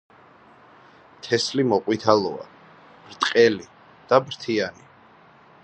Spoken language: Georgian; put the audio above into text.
თესლი მოყვითალოა, ბრტყელი და ფრთიანი.